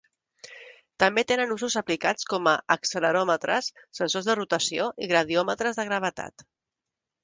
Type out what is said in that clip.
També tenen usos aplicats com a acceleròmetres, sensors de rotació i gradiòmetres de gravetat.